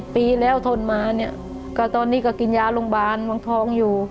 ๑๐ปีแล้วทนมาตอนนี้ก็กินยาโรงบาลมังท้องอยู่